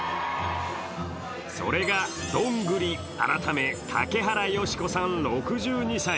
それが、どんぐり改め竹原芳子さん６２歳。